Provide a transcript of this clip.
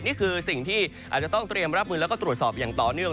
นี่คือสิ่งที่อาจจะต้องเตรียมรับมือแล้วก็ตรวจสอบอย่างต่อเนื่อง